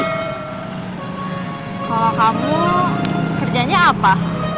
kalau kamu kerjanya apa